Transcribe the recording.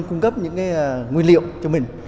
cung cấp những nguyên liệu cho mình